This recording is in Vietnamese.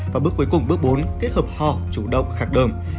và bước cuối cùng bước bốn kết hợp hò chủ động khạc đơm